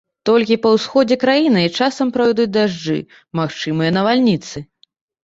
Толькі па ўсходзе краіны часам пройдуць дажджы, магчымыя навальніцы.